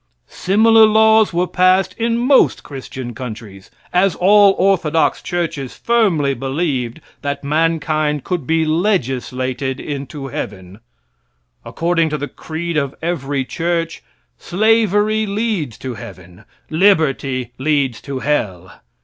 Similar laws were passed in most Christian countries, as all orthodox churches firmly believed that mankind could be legislated into heaven. According to the creed of every church, slavery leads to heaven, liberty leads to hell.